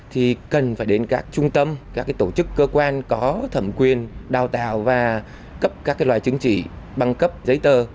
thì cần phải đến các trung tâm các tổ chức cơ quan có thẩm quyền đào tạo và cấp các loài chứng chỉ băng cấp giấy tờ